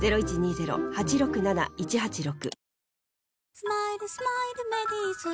「スマイルスマイルメリーズ」